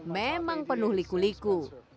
memang penuh liku liku